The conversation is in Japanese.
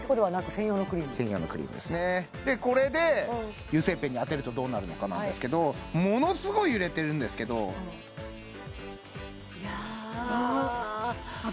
専用のクリームですねでこれで油性ペンに当てるとどうなるのかなんですけどものすごい揺れてるんですけどあっ